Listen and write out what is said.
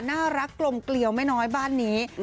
น่ารักกลมเกลียวไม่น้อยบ้านนี้